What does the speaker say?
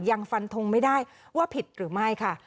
ยังฟันทงไม่ได้ว่าผิดหรือไม่ค่ะ